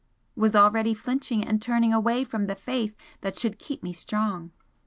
was already flinching and turning away from the Faith that should keep me strong!